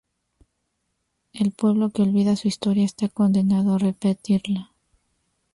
El pueblo que olvida su Historia está condenado a repetirla